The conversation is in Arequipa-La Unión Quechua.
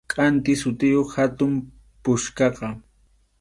Kʼanti sutiyuq hatun puchkaqa.